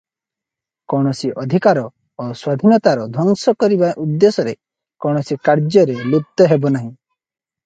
କୌଣସି ଅଧିକାର ଓ ସ୍ୱାଧୀନତାର ଧ୍ୱଂସ କରିବା ଉଦ୍ଦେଶ୍ୟରେ କୌଣସି କାର୍ଯ୍ୟରେ ଲିପ୍ତ ହେବନାହିଁ ।